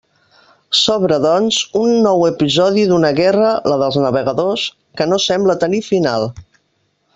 S'obre, doncs, un nou episodi d'una guerra, la dels navegadors, que no sembla tenir final.